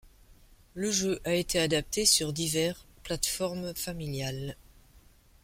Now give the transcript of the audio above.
Le jeu a été adapté sur divers plates-formes familiales.